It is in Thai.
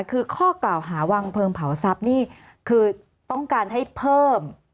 คือข้อกล่าวหาวางเพลิงเผาทรัพย์นี่คือต้องการให้เพิ่ม